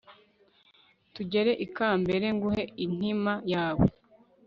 tugere ikambere nguhe inkima yawe